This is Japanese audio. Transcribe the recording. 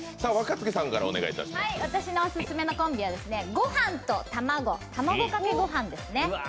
私のオススメのコンビはごはんと卵、卵かけご飯ですね。